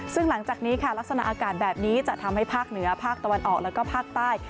ซึ่งหลังจากนี้ค่ะลักษณะอากาศแบบนี้จะทำให้ภาคเหนือภาคตะวันออกแล้วก็ภาคใต้